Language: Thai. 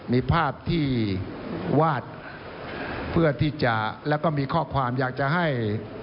มีภาพที่วาดเพื่อที่จะแล้วก็มีข้อความอยากจะให้